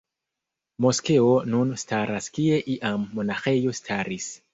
Moskeo nun staras kie iam monaĥejo staris.